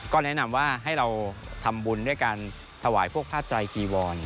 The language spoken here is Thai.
ก็แนะนำว่าให้เราทำบุญด้วยการถวายพวกผ้าไตรจีวร